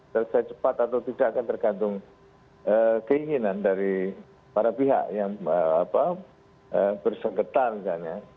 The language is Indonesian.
selesai cepat atau tidak akan tergantung keinginan dari para pihak yang bersengketa misalnya